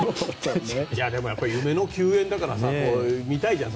でも夢の球宴だから見たいじゃん。